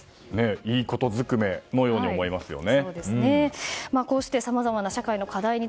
いいことずくめのように思えますよね。